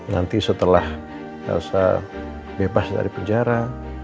nanti setelah elsa bebas dari penjara